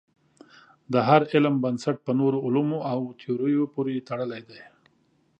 د هر علم بنسټ په نورو علومو او تیوریو پورې تړلی دی.